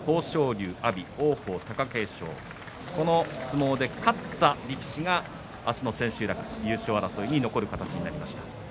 龍、阿炎王鵬、貴景勝この相撲で勝った力士が明日の千秋楽優勝争いに残る形になります。